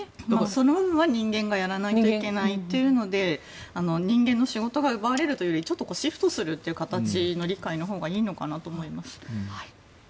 その部分は人間がやらないといけないというので人間の仕事が奪われるというよりもシフトするという理解のほうが続いては。